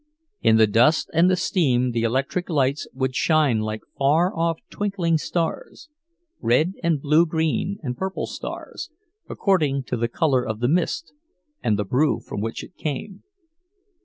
In the dust and the steam the electric lights would shine like far off twinkling stars—red and blue green and purple stars, according to the color of the mist and the brew from which it came.